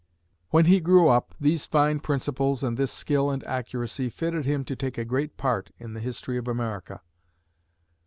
When he grew up, these fine principles and this skill and accuracy, fitted him to take a great part in the history of America.